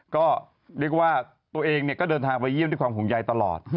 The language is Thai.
ก็เรียกว่าตัวเองก็เดินทางไปเยี่ยมด้วยความห่วงใยตลอด